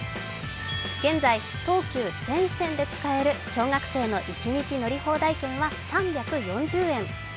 現在、東急全線で使える小学生の１日乗り放題券は３４０円。